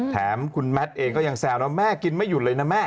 แถมคุณแมทเองก็ยังแซวนะแม่กินไม่หยุดเลยนะแม่